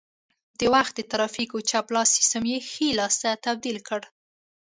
د وخت د ترافیکو چپ لاس سیسټم یې ښي لاس ته تبدیل کړ